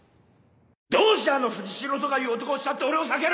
どうしてあの藤代とかいう男を慕って俺を避ける！？